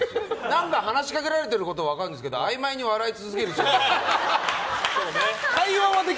何か話しかけられてることは分かるんですけどあいまいに笑い続けるしかない。